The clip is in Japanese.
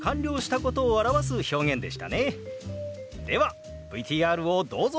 ではＶＴＲをどうぞ！